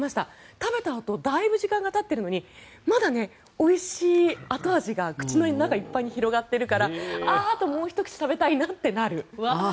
食べたあと、だいぶ時間がたっているのにまだおいしい後味が口の中いっぱいに広がっているからあともうひと口食べたいなってなる。